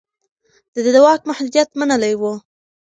ده د واک محدوديت منلی و.